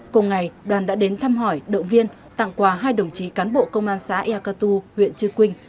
cùng ngày đoàn đã đến thăm hỏi động viên tặng quà hai đồng chí cán bộ công an xã eakatu huyện chư quynh